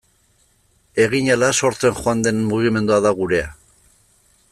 Egin ahala sortzen joan den mugimendua da gurea.